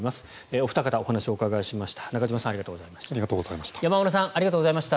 お二方、お話をお伺いしました。